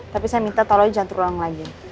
tapi saya minta tolong jangan terulang lagi